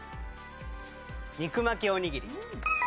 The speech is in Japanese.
肉巻きおにぎり。